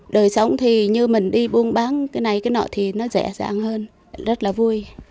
đời sống thì như mình đi buôn bán cái này cái nọ thì nó dễ dàng hơn rất là vui